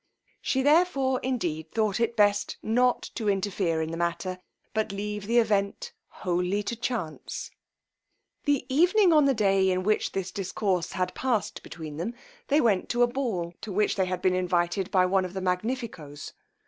She therefore indeed thought it best not to interfere in the matter, but leave the event wholly to chance. The evening on the day in which this discourse had past between them, they went to a ball, to which they had been invited by one of the Magnifico's.